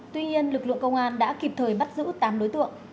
tuy nhiên lực lượng công an đã kịp thời bắt giữ tám đối tượng